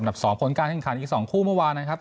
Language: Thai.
๒ผลการแข่งขันอีก๒คู่เมื่อวานนะครับ